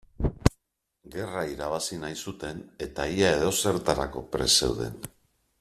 Gerra irabazi nahi zuten eta ia edozertarako prest zeuden.